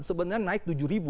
sebenarnya naik tujuh